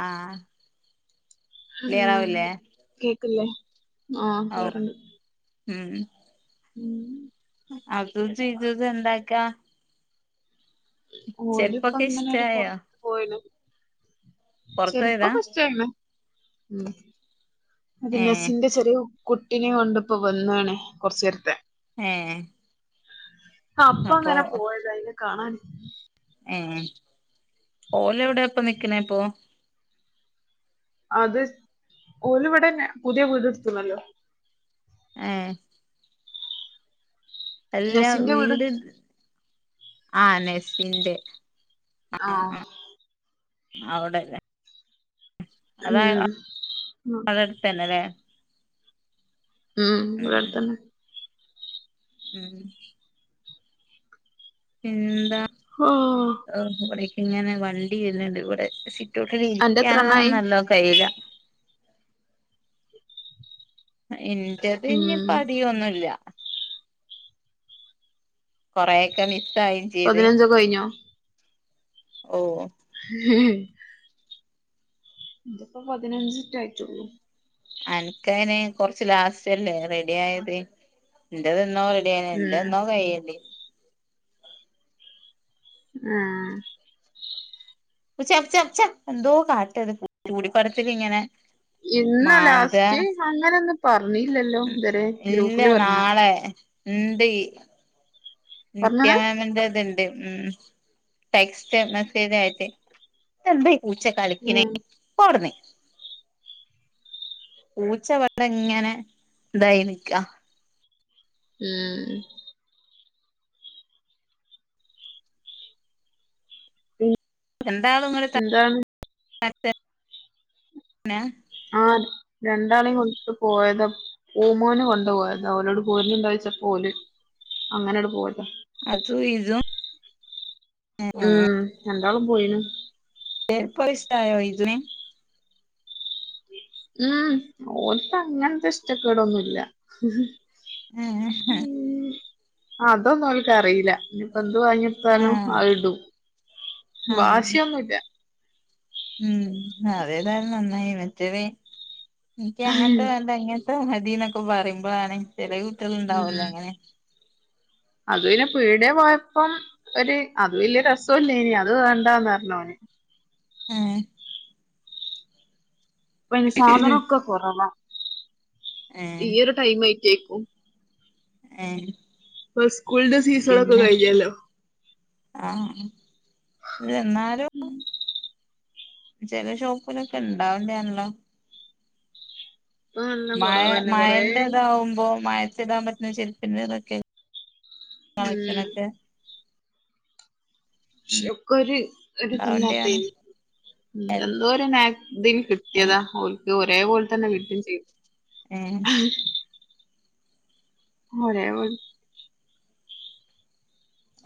ആഹ് ആഹ് ക്ലിയറാവൂലേ കേക്കില്ലേ ആഹ് ഔ കേറണ്ട് ഉം ഉം അതും ചിഞ്ചു എന്താക്കാ ഓല് ഇപ്പം ചെരുപ്പൊക്കെ ഇങ്ങനെയ പോർ ഇഷ്ടായോ പോയിണ് പൊറത്ത് പോയതാ ചെരുപ്പൊക്കെ ഇഷ്ടായിണ് അത് ഏഹ് നെസിന്റെ ചെറിയ കുട്ടിനെ കൊണ്ടിപ്പോ വന്നാണേ കുറച്ച് നേരത്തെ ഏഹ് ആ അപ്പ അപ്പൊ അങ്ങനെ പോയത അതിനെ കാണാനി ഉം ഓലെവിട ഇപ്പ നിക്കണെ ഇപ്പൊ അത് ഓലിവിടന്നാ പുതിയ വീടെടുത്തുന്നല്ലോ ആഹ് എല്ലാ വീട് ആ നെസിന്റെ ആഹ് അവിടല്ല അതാ അ ഉം ഉം നിങ്ങടെ അടുത്ത് തന്നല്ലേ ഉം ഇവിടടുത്തന്നെ ഉം എന്താ ഓഹ് ഏ ഇവിടേക്ക് ഇങ്ങനെ വണ്ടി വരുന്നുണ്ട് ഇവിടെ അന്റെ സിറ്റോട്ടിലിരിക്കാ എത്രണ്ണായി നല്ലോ കഴയൂല എന്റത് ഇനി ഉം പണിയൊന്നു ഇല്ല കൊറേക്കെ മിസ്സ്‌ പതിനഞ്ചൊക്കെ കഴിഞ്ഞോ ഓ [unintelligible] എന്റിപ്പം പതിനഞ്ചിട്ട ആയിട്ടുള്ളൂ അനക്കങ്ങനെ കൊറച്ച് ലാസ്റ്റല്ലേ റെഡി ആയത് എന്റത് എന്നോ [unintelligible] ഉം എന്റെന്നോ കഴിയണ്ട് ആഹ് പൂച്ച ച്ച ച്ച എന്തോ കാട്ടത് ചൂടിപടത്തില് ങ്ങനെ ഇന്നാ ലാസ്റ്റ് അങ്ങനൊന്നും പറഞ്ഞില്ലല്ലോ ഇതുവരെ ഗ്രൂപ്പില് പറഞ്ഞണോ ! ! ! ! ! ! ! ! ! ! ! ! ! ! ! പറഞ്ഞണ് [unintelligible] ണ്ട് ഉം ടെസ്റ്റ് മെസ്സേജായിട്ട് ഇതെന്താ ഈ പൂച്ച കളിക്കിനെ ഉം പോ അവിടുന്ന് പൂച്ച വന്നിങ്ങനെ ഇതായി നിക്ക ഉം പി എന്താണ് നിങ്ങള് ത [inaudible] ന്നാ ആ രണ്ടാളെയും കൊണ്ടട്ട് പോയതാ ഊമോന് കൊണ്ടു പോയത ഓനവിടെ പുഴ മീൻ കഴിച്ചപ്പോ ഓല് അങ്ങനങ്ങട്ട് പോയതാ അതു ഇതും ഏ ഉം രണ്ടാളും പോയിന് [unintelligible] ഇഷ്ടായോ ഈദ് മീൻ ങ്ങാ ഓൽക്ക് അങ്ങനത്തെ ഇഷ്ടക്കേടൊന്നു ഇല്ല ആഹ് ഉം അതൊന്നു അവൾക്ക് അറിയില്ല ഇനിപ്പോ എന്ത് വാങ്ങികൊടുത്താലും ആളിടും ആഹ് വാശിയൊന്നു ഇല്ല ഉം അതേതായാലും നന്നായി മറ്റേത് എനിക്ക് അങ്ങനത്തെ വേണ്ട ഇങ്ങ ത്തെ മതീന്നൊക്കെ പറയുമ്പളാണ് ചെറിയ കുട്ടികള് ഉം ഉണ്ടാവുവല്ലോ അങ്ങനെ അത് പിന്നെ പീടിയെ പോയപ്പം ഒരു അത് വലിയ രസോ ഇല്ലാനി അത് വേണ്ടാന്ന് പറഞ്ഞ് അവൾ ഏഹ് അപ്പ അതിന് സാധനൊക്കെ കൊറവാ ഈ ഏഹ് ഒരു ടൈം ആയിട്ടാക്കും ഏഹ് ഉസ്കൂളിന്റെ പിന്നെ ആ ഇവിടെന്നാലും ചെല ഷോപ്പിലൊക്കെ ഇണ്ടാവണ്ട ആണല്ലോ ഇപ്പൊ നല്ല മഴ കൊറവന്നെ കൊറേ മഴേന്റെ ഇതാവുമ്പോ മഴയത്തിടാൻ പറ്റുന്ന ചെരുപ്പിന്റെ ഇതൊക്കെ ഉം കാഴ്ചണൊക്കെ. ക്ഷേക്കൊരു ഒരു ത് ഉണ്ടാവണ്ടയാണ് ല്ലാതെനി എന്തൊരു നാക് തില് കിട്ട്യേതാ ഓൽക്ക് ഒരേ പോലെ തന്നെ കിട്ടിം ചെയ്ത്. ഏഹ്‌ ഒരേപോൽ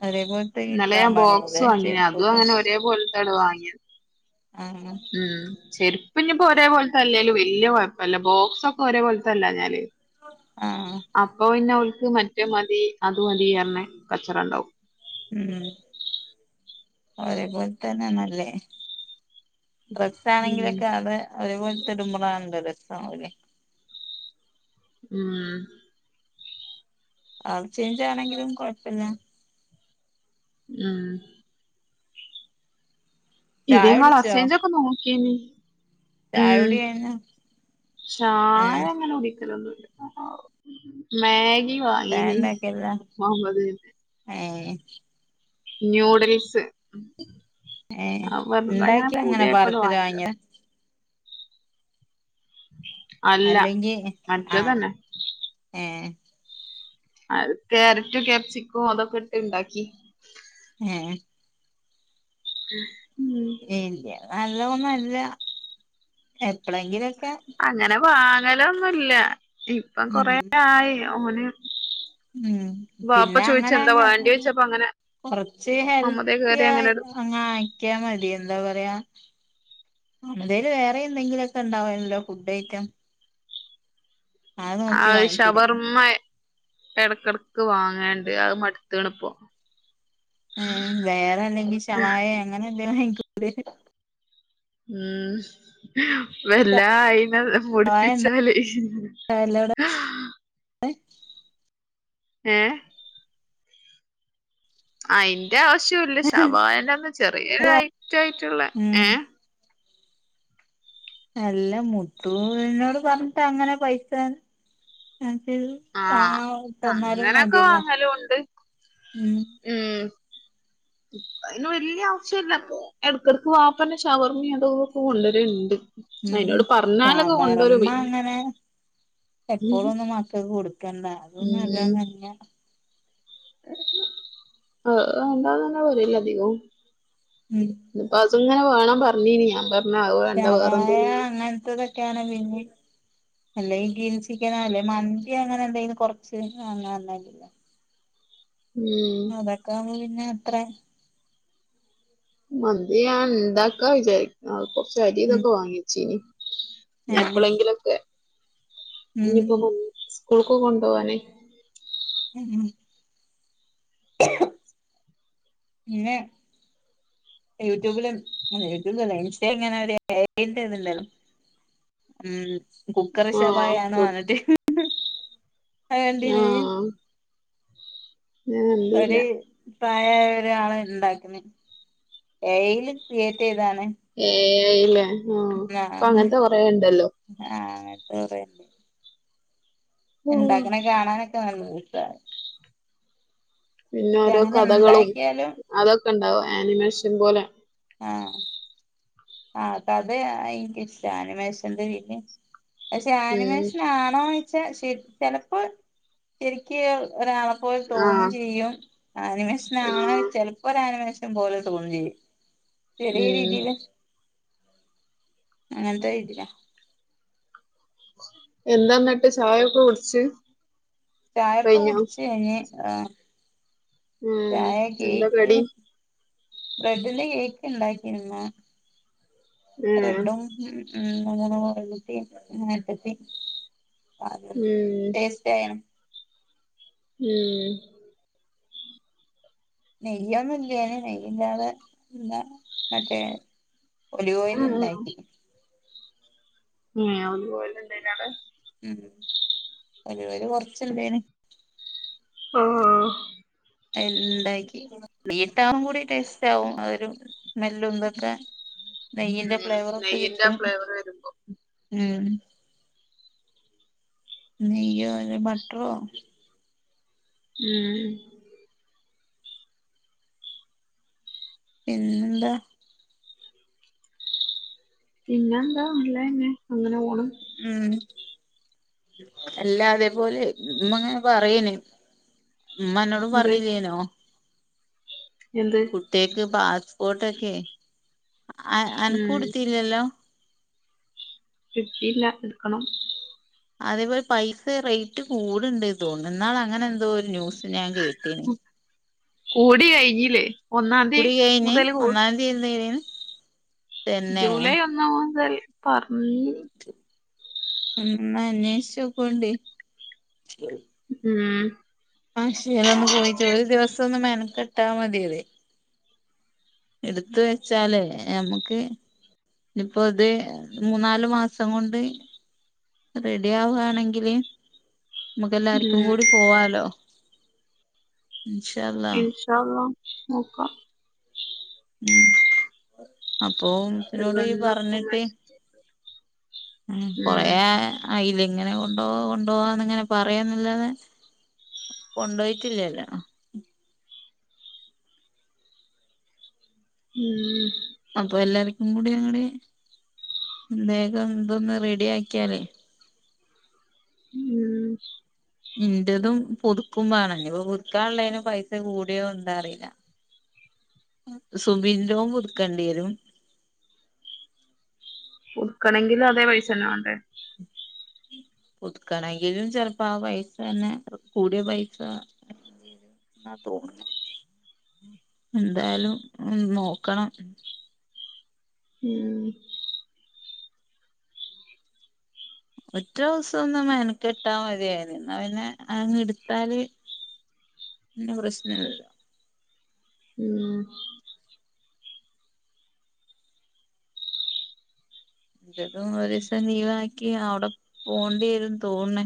ഒരേപോൽത്തെ ഇന്നലെ കിട്ടാൻ ഞാൻ ബോക്സ് പണ്യലേ വാങ്ങിന് അതും ചെര്പ്പൊക്കെ? അങ്ങനെ ഒരേ പോലത്താണ് വാങ്ങിയത് ആഹ്‌ ചെര്പ്പ് ഞ്ഞി ഒരേ പോൽത്തല്ലേലും വല്യ കൊഴപ്പല്ല ബോക്സൊക്കെ ഒരേ പോൽത്തല്ലാഞ്ഞാലേ ആഹ്‌ അപ്പൊ പിന്നെ ഓൽക്ക് മറ്റേ മതി അത് മതി അർഞ് കച്ചറ ണ്ടാവും. ഉം ഒരേ പോൽതെന്നെ നല്ലത്. ഉം ഡ്രെസ്സാണെങ്കിലൊക്കെ അത് ഒരുപോൽ ത്തെടുമ്പളാണല്ലോ രസം ലെ. ഉം കളർ ചേഞ്ചാണെങ്കിലും കൊഴപ്പല്ല. ഉം ചായ ഇതിന്നാള് കുടിച്ചോ അസൈ‍ഞ്ചോക്കെ നോക്കീനി ചായ ഉം കുടി കഴിഞ്ഞോ ചായ ഏഹ് അങ്ങനെ കുടിക്കലൊന്നുല്ല. മാഗി ചായ വാങ്ങീനി ഉണ്ടാക്കിയല്ല മൊഹമ്മദ്. ഏഹ് ന്യൂഡിൽസ് ഏഹ് വെർതെങ്ങനെ ഉണ്ടാക്കി പൂതി അങ്ങനെ ആയപ്പാണ്ട് പാർസല് വാങ്യേതാ. വാങ്ങിയ അല്ല അല്ലെങ്കി ആഹ്‌ മറ്റേതന്നെ ഏഹ്‌. അത് ക്യാരറ്റും ക്യാപ്സിക്കോ അതൊക്കെ ഇട്ട് ഇണ്ടാക്കി. ഏഹ്. ഉം വെല്ല്യ നല്ലോന്നും അല്ല എപ്പളേങ്കിലൊക്കെ. അങ്ങനെ വാങ്ങലൊന്നുല്ല ഇപ്പം ഉം കൊറേ ആയി ഓന്. ഉം വാപ്പ പിന്നെ ചോയിച്ച് എന്താ അങ്ങനങ്ങ് വേണ്ടി ചോയിച്ചപ്പോ അങ്ങനെ കൊർച്ച് മമ്മതേ ഹെൽത്തി കേറി അങ്ങനെ ആയി എടു അങ്ങ് ആക്ക്യാ മതി എന്താ പറയ. മമതേല് വേറിം എന്തെങ്കിലൊക്കെ ഉണ്ടാവേനല്ലോ ഫുഡ് ഐറ്റം. അത് നോക്കി അഹ്‌ വാങ്ങിക്കൂടെ ശവർമ എട്ക്കെട്ക്ക് വാങ്ങേണ്ട് അത് മട്ത്ത്ണ്പ്പോ. ഏഹ് വേറെന്തെങ്കിം ഷവായേ അങ്ങനെ എന്തെലും വാങ്ങിക്കൂടേ? ഉം വല്ലാ അയിനെ ശവായ മുട്പ്പിച്ചാല് ഉണ്ടാവല്ലോവിടെ ഏഹ്‌ അയിന്റെ ആവശ്യംല്ല ഷവായ ന്റെ ന്ന ചെറിയൊരുഐറ്റായിട്ട് ള്ള ഉം ഏഹ്‌. എല്ലാ മുത്തുനോട് പർഞ്ഞ്ട്ടങ്ങനെ പൈസ [unintelligible] ആഹ്‌ വാങ്ങാൻ തന്നാലും അങ്ങനൊക്കെ മതിയല്ലോ വാങ്ങലൂണ്ട് ഉം ഉം. അയിന് വല്ല്യ ആവശ്യല്ല്യ പ്പോ ഏട്ക്കേട്ക്ക് വാപ്പന്നെ ഷവർമ്മീം അതും ഇതൊക്കെ കൊണ്ടുവരല്ണ്ട്. ഉം ഷവർമ അങ്ങനെ എപ്പോളൊന്നും മക്കക്ക് കൊട് ക്കണ്ട അത് നല്ലൊന്നു അല്ല. ആഹ് മുണ്ടാൻ തന്നെ വരേല്ല അധികവും ഉം ഇന്നിപ്പം അതങ്ങനെ വേണം പറഞ്ഞീനി ഞാൻ പർഞ്ഞ് അത് വേണ്ട വേറെ എന്തെലും. ഏഹ് അങ്ങൻ ത്തതൊ ക്ക്യാണ് പിന്നിം അല്ലെ ഈ ഗ്രിൽ ചിക്കനോ അല്ലേ മന്തി അങ്ങനെ എന്തെങ്കിലും കൊർച്ച് അങ്ങനെ [unintelligible] ഉം അതൊക്കെ ആവുമ്പോ പിന്നെ അത്ര. മന്തി ഞ ഇണ്ടാക്കാ വിചാരിക്ക കൊർച്ചരി ഉം ഇതൊക്കെ വാങ്ങിച്ചീനി. ഏഹ് എപ്പളെങ്കിലൊക്കെ, ഉം ഇനിപ്പോ സ്കൂൾക്കൊ കൊണ്ടു പോവാന് ഉം പിന്നെ യൂട്യൂബിലും യൂട്യൂബിലല്ല ഇൻസ്റ്റ ഇങ്ങനെ ഒരു എഐന്റെ ഇതേണ്ടല്ലോ. ഉം, കുക്കർ ശവായി ആഹ് അന്ന് ഫുഡ് പറഞ്ഞിട്ട്. അതേ കണ്ടില്ല ഇയ്യേ ആഹ് ഞാൻ കണ്ടീല്ല ഒരു പ്രയായ ഒരാള ഉണ്ടാക്കുന്ന് ഏ ഐയില് ക്രിയേറ്റ് ചെയ്താണ്. ഏ ഐ ഇല്ലേ, ആ ഇപ്പൊ അങ്ങനത്തെ കൊറെേ ഉണ്ടല്ലോ.. ആ അങ്ങനത്തെ കൊറെ ഉം എണ്ടാക്കണെ കാണാനൊക്കെ നല്ല രസാണ്. പിന്നെ പക്ഷെ ഓരോ അങ്ങനെ കഥകളും ഇണ്ടാക്കിയാലും അതൊക്കെ ഉണ്ടാവും, ആനിമേഷൻ പോലെ. ആഹ് ആ, അപ്പ അതെ എനിക്ക് ഇഷ്ടം അനിമേഷന്റെ വീഡിയോ പക്ഷെ ഉം ആനിമേഷൻ ആണോന്ന് വെച്ചാ ശ ചെലപ്പോ ശരിക്കു ഒരാള ചിലപ്പോ തോന്ന ആഹ് ചെയ്യും. അനിമേഷനാണോ ആഹ് ചില പ്പോ ഒരു ആനിമേഷൻ പോലെ തോന്ന ചെയ്യും. ചെറിയ ഉം രീതില് അങ്ങനത്തെ [unintelligible] എന്താ എന്നട്ട് ചായയൊക്കെ കുടിച്ച്. ചായയൊക്കെ കഴിഞ്ഞോ കുടിച്ച് കഴിഞ്ഞ് [unintelligible] ഉം ചായ എന്താ കേക്ക് കടി ബ്രെഡിന്റെ കേക്ക് ഉണ്ടാക്കിനി ഇന്ന്. ഉം ബ്രഡും ഉം അങ്ങനെ ഉം [unintelligible] [unintelligible] ഉം നെയ്യൊന്നു ഇല്ലേനെ, നെയ്യില്ലാതെ പിന്നെ മറ്റേ ഒലീവ് ഓയിൽ ഉം ഉണ്ടാക്കി ഏ ഒലിവ് ഓയിൽ ഉണ്ടാഞ്ഞേ അവിടെ. ഉം, ഒലിവ് ഓയിൽ കൊറച്ചു ഉണ്ടേന്. ഓ [unintelligible] ഉണ്ടാക്കി ഗീട്ടാവും കൂടി ടേസ്റ്റ് ആകും അതൊരു സ്മെല്ലൊന്തൊക്കെ നെയ്യിന്റെ ഉം ഫ്ലേവർ ഒക്കെ നെയ്യിന്റെ ആ കിട്ടും. ഫ്ലേവർ വരുമ്പോ ഉം നെയ്യോ, അല്ലകിൽ ബട്ടറോ ഉം പിന്നെന്താ പിന്നെ എന്താ നല്ലതന്നെ അങ്ങനെ പോണ്. ഉം എല്ലാ അതേപോലെ ഇമ്മങ്ങനെ പറയനെ. ഉമ്മ അന്നോട് എന്ത് പറഞ്ഞില്ലാനോ. എന്ത് കുട്ടിക്ക് പാസ്പോർട്ടൊക്കെ ആ അനക്കും ഉം എടുത്തില്ലല്ലോ? ഇല്ല എടുക്കണം അതേപോലെ പൈസ റേറ്റ് കൂടുണ്ട് എന്ന് തോന്നു, ഇന്നാള് അങ്ങനെ എന്തോ ഒരു ന്യൂസ് ഞാൻ കേട്ടീന്. കൂടി കഴിഞ്ഞില്ലേ. ഒന്നാംതി കുടി കഴിഞ്ഞ്, മുതൽ കൂ ഒന്നാം തീയന്ന് [unintelligible] ജൂലൈ ഒന്നാ മുതൽ പറഞ്ഞെ. ഒന്ന് അന്വേഷിച്ച് നോക്കുവേണ്ടി. ഉം അക്ഷയലെ ഒന്ന് പോയ ചോ ഒരു ദിവസം ഒന്ന് മെനക്കെട്ടാൽ മതിയത്. എടുത്തു വെച്ചാല് നമ്മുക്ക്. ഇപ്പൊ അത് അത് മൂന്നാാലു മാസം കൊണ്ട് റെഡി ആവുആണെങ്കില് നമ്മുക്ക് എല്ലാർക്കും ഉം കൂടി പോവാല്ലൊ ഇൻഷാ അള്ളാ. ഇൻഷാ അള്ളാ നോക്കാം. ഉം, ഒരു അപ്പൊസിനോട് ഇയ് വെണ്ണൊക്കെ പറഞ്ഞിട്ട് മേടിച്ച് ഉം [unintelligible] ആ ഇല്ല ഇങ്ങനെ കൊണ്ടോവാ കൊണ്ടോവാന്ന് ഇങ്ങനെ പറയന്ന് ല്ലാതെ കൊണ്ടോയിട്ടില്ലല്ലോ. ഉം അപ്പൊ എല്ലാർക്കും കൂടി അങ്ങട് വോഗം ഇത് ഒന്ന് റെഡി ആക്കിയാലേയ് ഉം ഇന്റതും പുതുക്കുംവാണം ഇഞ്ഞിപ്പോ പുതുക്കാള്ളേന് പൈസ കൂടിയോ ന്താ അറീലാ. [inaudible] സുബിന്റെതും പുതുക്കേണ്ടി വരും. പുതുക്കണങ്കിൽ അതോ പൈസന്നെ വാണ്ടേ. പുതുക്കണങ്കിലും ചെൽപ്പോ ആ പൈസന്നെ കൂടിയ പൈസ ആഹ് [unintelligible] എന്തായാലും ഉം നോക്കണം. ഉം ഒറ്റ ദിവസം ഒന്നു മെനക്കട്ടാ മതിയയിന് എന്നാ പിന്നെ അങ്ങ് എടുത്താല് നൂറഷ്ണല്ലല്ലോ. ഉം ഇതും ഒരീസം ലിവാക്കി അവടെ പോണ്ടിരും തേന്ന്ണ്.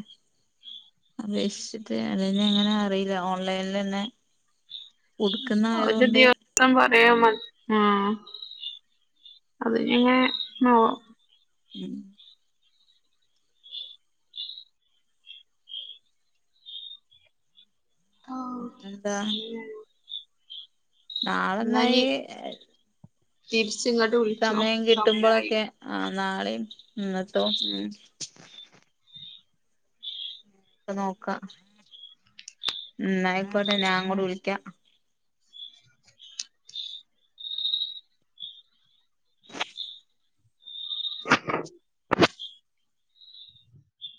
അപേക്ഷിച്ചിട്ട് അത് ഞ്ഞിങ്ങനെ അറിയില്ല ഓൺലൈലന്നെ ഉടുക്ക്‌ന്ന ഒരു ദിവ [unintelligible] [unintelligible] ഉം പിന്നെന്താ. എന്നാ ഇനി നാളെന്നയീ തിരിച്ച് ങ്ങട്ട് സമയം കിട്ടുമ്പോഴൊക്കെ ആ നാളെയും ഇന്നത്തവും ഉം. നോക്കാ ഇന്നാ ആയിക്കോട്ടെ ഞാൻ അങ്ങോട്ട് വിളിക്കാ.